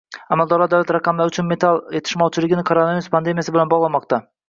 Amaldorlar davlat raqamlari uchun metall yetishmovchiligini koronavirus pandemiyasi bilan bog‘lamoqda